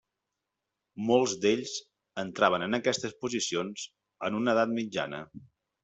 Molts d'ells entraven en aquestes posicions en una edat mitjana.